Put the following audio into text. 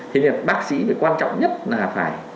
thế nên bác sĩ quan trọng nhất là phải